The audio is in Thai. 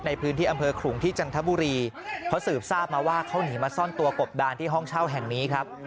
ในพื้นที่อำเภอขลุงที่จันทบุรีเพราะสืบทราบมาว่าเขาหนีมาซ่อนตัวกบดานที่ห้องเช่าแห่งนี้ครับ